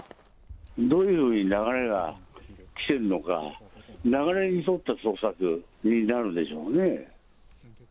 どういうふうに流れが来てるのか、流れに沿った捜索になるでしょうね。